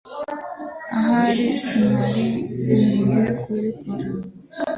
Ahari sinari nkwiye kubikora